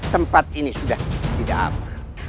tempat ini sudah tidak aman